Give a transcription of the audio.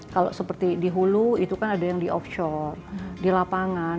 kalau seperti di hulu itu kan ada yang di offshore di lapangan